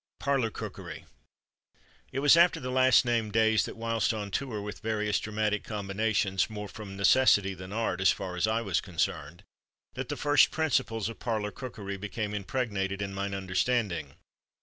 Parlour Cookery. It was after the last named days that, whilst on tour with various dramatic combinations more from necessity than art, as far as I was concerned that the first principles of parlour cookery became impregnated in mine understanding.